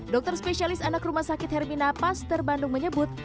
dokter spesialis anak rumah sakit hermina paster bandung menyebut